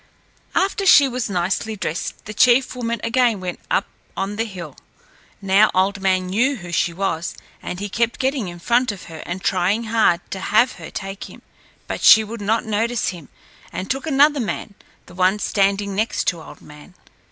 After she was nicely dressed the chief woman again went up on the hill. Now, Old Man knew who she was, and he kept getting in front of her and trying hard to have her take him, but she would not notice him and took another man, the one standing next to Old Man.